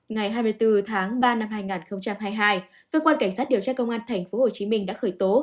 ngày hai mươi bốn tháng ba năm hai nghìn hai mươi hai cơ quan cảnh sát điều tra công an tp hcm đã khởi tố